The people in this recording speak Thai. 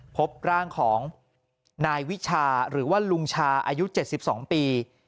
พบร่างของนายวิชาหรือว่าลุงชาอายุ๗๒ปี